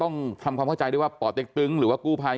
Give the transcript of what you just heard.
ต้องทำความเข้าใจด้วยว่าป่อเต็กตึงหรือว่ากู้ภัย